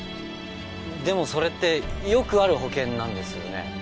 でもそれってよくある保険なんですよね？